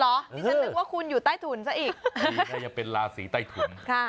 นี่ฉันนึกว่าคุณอยู่ใต้ถุนซะอีกก็ยังเป็นราศีใต้ถุน